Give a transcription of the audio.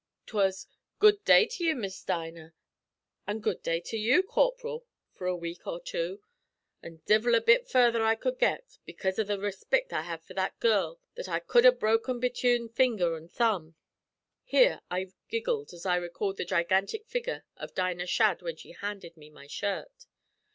'Twas 'Good day to ye, Miss Dinah,' an' 'Good day t'you, corp'ril,' for a week or two, an' divil a bit further could I get, bekase av the respict I had to that girl that I cud ha' broken betune finger an' thumb." Here I giggled as I recalled the gigantic figure of Dinah Shadd when she handed me my shirt.